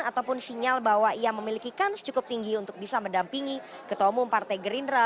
ataupun sinyal bahwa ia memiliki kans cukup tinggi untuk bisa mendampingi ketua umum partai gerindra